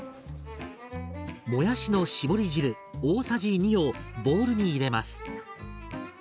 もやしの絞り汁大さじ２をボウルに入れます。